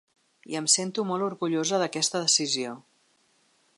I em sento molt orgullosa d’aquesta decisió.